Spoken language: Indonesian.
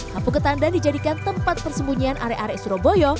kampung ketandang dijadikan tempat persembunyian area area surabaya